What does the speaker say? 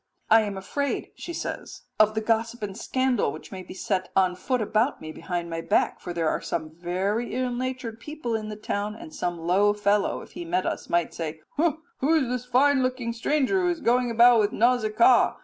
"'I am afraid,' she says, 'of the gossip and scandal which may be set on foot about me behind my back, for there are some very ill natured people in the town, and some low fellow, if he met us, might say, 'Who is this fine looking stranger who is going about with Nausicaa?